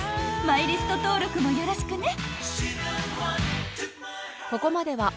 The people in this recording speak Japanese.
マイリスト登録もよろしくね］